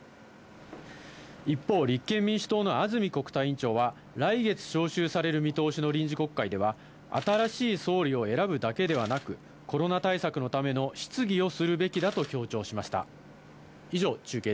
一方、立憲民主党の安住国対委員長は、来月召集される見通しの臨時国会では、新しい総理を選ぶだけではなく、コロナ対策のための質疑をするべきだと強調しました。